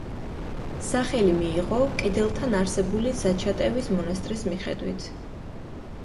სახელი მიიღო კედელთან არსებული ზაჩატევის მონასტრის მიხედვით.